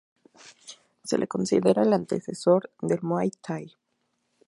Se lo considera el antecesor del Muay Thai.